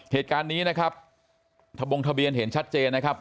เหตุการณ์นี้นะครับทะบงทะเบียนเห็นชัดเจนนะครับ